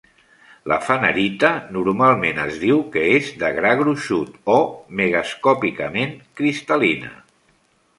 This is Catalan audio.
La fanerita normalment es diu que és "de gra gruixut" o "megascòpicament cristal·lina".